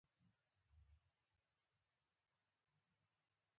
جګړه د ژوند رڼا تیاره کوي